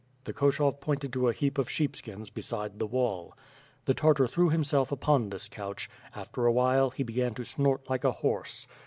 The Koshov pointed to a heap of sheepskins beside the wall. The Tartar threw himself upon this couch; after a while he began to snort like a horse.